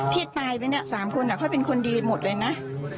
พ่อตายไปเนี่ยสามคนน่ะเขาเป็นคนดีหมดเลยนะ